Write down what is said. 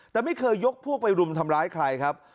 แต่ไม่เคยยกพวกไปรุมทำร้ายใครครับ